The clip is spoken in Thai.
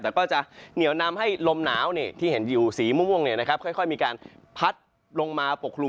แต่ก็จะเหนียวนำให้ลมหนาวที่เห็นอยู่สีม่วงค่อยมีการพัดลงมาปกคลุม